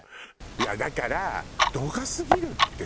いやだから。